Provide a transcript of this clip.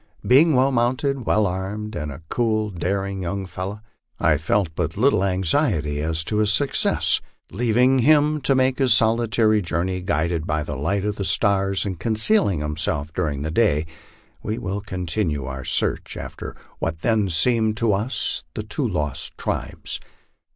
Being well mounted, well armed, and a cool, daring young fellow, I felt but little anxiety as to his success. Leaving him to make his solitary journey guided by the light of the stars, and concealing himself during the day, we will continue our search after what then seemed to us the two lost tribes.